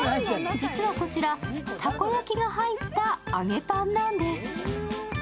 実はこちら、たこ焼きが入った揚げパンなんです。